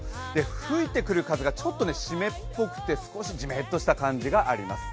吹いてくる風がちょっと湿っぽくて少しじめっとした感じがあります。